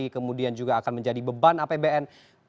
kemudian juga akan menjadi beban apbn